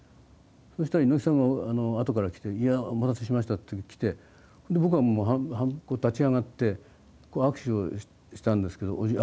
そしたら猪木さんがあとから来て「いやお待たせしました」って来てぼくはもう半分立ち上がってこう握手をしたんですけどいや